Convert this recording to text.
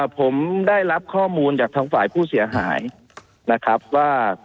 ผมได้รับข้อมูลจากทางฝ่ายผู้เสียหายนะครับว่า